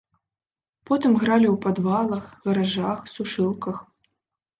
Потым гралі ў падвалах, гаражах, сушылках.